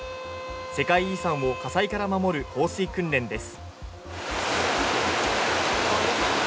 世界遺産を火災から守る放水訓練です。